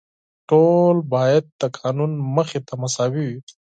ټول باید د قانون مخې ته مساوي وي.